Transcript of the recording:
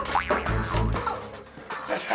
bukan aku bukan setan